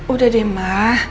udah deh ma